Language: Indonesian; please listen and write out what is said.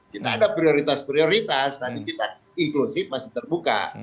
kita ada prioritas prioritas nanti kita inklusif masih terbuka